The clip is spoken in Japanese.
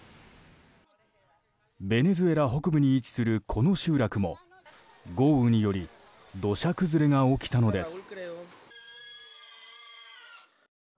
ベネズエラ北部に位置するこの集落も豪雨により土砂崩れが起きたのです。